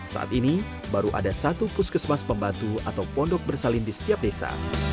saat ini baru ada satu puskesmas pembantu atau pondok bersalin di setiap desa